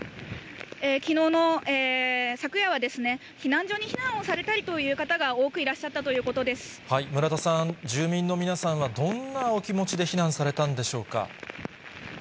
きのうの、昨夜は避難所に避難をされたりという方が多くいらっしゃったとい村田さん、住民の皆さんは、どんなお気持ちで避難されたんでしょうか。